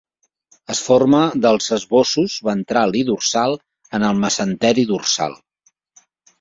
Es forma dels esbossos, ventral i dorsal, en el mesenteri dorsal.